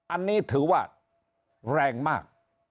อันนี้ถือว่าแรงมาก